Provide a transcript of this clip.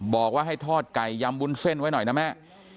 บอกว่าให้ทอดไก่ยำวุ้นเส้นไว้หน่อยนะแม่